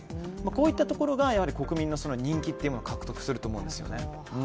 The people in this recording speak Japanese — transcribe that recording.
こういったところが国民の人気を獲得すると思うんですよね。